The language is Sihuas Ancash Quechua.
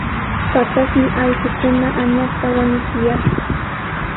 Paqasmi allquukuna añasta wañuchuyashqa.